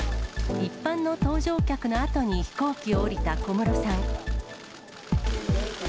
一般の搭乗客のあとに飛行機を降りた小室さん。